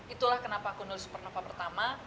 itulah kenapa aku nulis supernova pertama